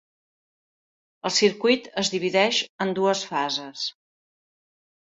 El Circuit es divideix en dues fases.